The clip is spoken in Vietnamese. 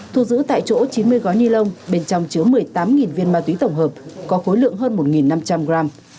thu giữ tại chỗ chín mươi gói ni lông bên trong chứa một mươi tám viên ma túy tổng hợp có khối lượng hơn một năm trăm linh gram